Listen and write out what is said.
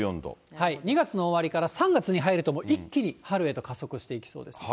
２月の終わりから３月に入ると、もう一気に春へと加速していきそうです。